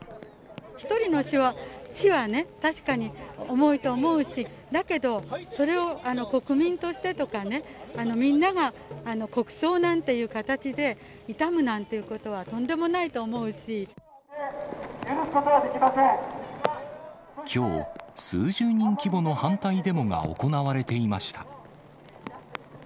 １人の死はね、確かに重いと思うし、だけど、それを国民としてとかね、みんなが国葬なんていう形で悼むなんていうことはとんきょう、数十人規模の反対デモが行われていました。